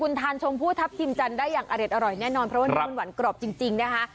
คุณทานชมผู้ทับทิมจันได้อย่างอรริชอร่อยแน่นอนเพราะว่าไม้หุ่นหวั่นกรอบจริงนะคะ